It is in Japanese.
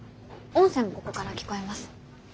音声もここから聞こえます。